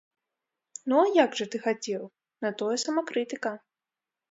Ну, а як жа ты хацеў, на тое самакрытыка.